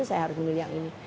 saya harus dulu yang ini